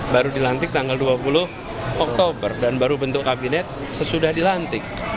baru dilantik tanggal dua puluh oktober dan baru bentuk kabinet sesudah dilantik